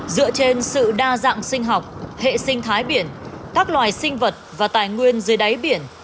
dựa trên sự đa dạng sinh học hệ sinh thái biển các loài sinh vật và tài nguyên dưới đáy biển